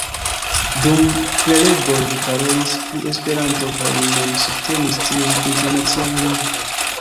Dum prelegoj, li parolis pri Esperanto kaj li mem subtenis tiun Internacian Lingvon.